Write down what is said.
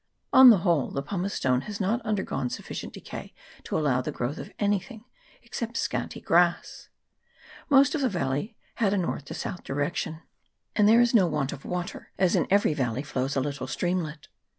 On the whole, the pumicestone has not undergone sufficient decay to allow the growth of anything except scanty grass. Most of the valley had a north to south direction ; and there is no want of water, as in every valley VOL. i. y 322 TEMPERATURE. [PART II. flows a little streamlet.